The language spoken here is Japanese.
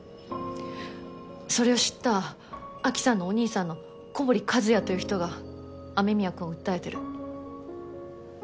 それを知ったアキさんのお兄さんの古堀和也という人が雨宮くんを訴えてる。